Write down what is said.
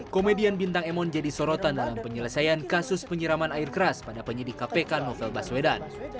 komedian bintang emon jadi sorotan dalam penyelesaian kasus penyiraman air keras pada penyidik kpk novel baswedan